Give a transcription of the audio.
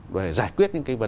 để giải quyết những cái vấn đề